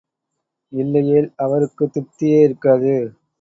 இல்லையேல், அவருக்குத் திருப்தியே இருக்காது.